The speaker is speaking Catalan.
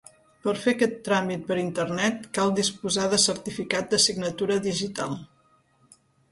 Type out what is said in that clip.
Per fer aquest tràmit per internet cal disposar de certificat de signatura digital.